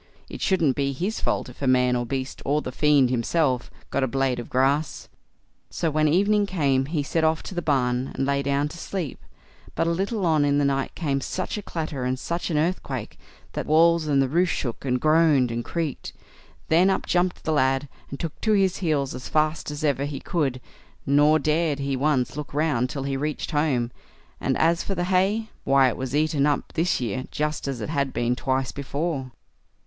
It shouldn't be his fault if man or beast, or the fiend himself, got a blade of grass. So, when evening came, he set off to the barn, and lay down to sleep; but a little on in the night came such a clatter, and such an earthquake, that walls and roof shook, and groaned, and creaked; then up jumped the lad, and took to his heels as fast as ever he could; nor dared he once look round till he reached home; and as for the hay, why it was eaten up this year just as it had been twice before.